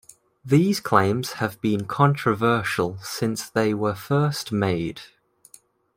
These claims have been controversial since they were first made.